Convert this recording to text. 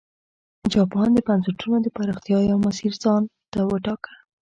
جاپان د بنسټونو د پراختیا یو مسیر ځان ته وټاکه.